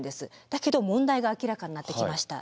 だけど問題が明らかになってきました。